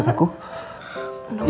lihat aku ma